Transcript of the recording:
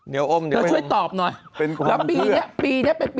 เดี๋ยวเอิ้ม